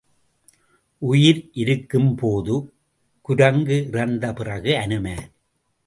உயிர் இருக்கும் போது குரங்கு இறந்த பிறகு அநுமார்.